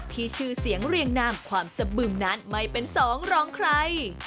ชื่อเสียงเรียงนามความสะบึมนั้นไม่เป็นสองรองใคร